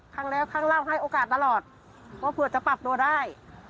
ข้างแล้วข้างล่างให้โอกาสตลอดเพื่อจะปรับตัวได้